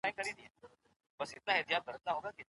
منزلت او مقام په ټولنه کې رول لري.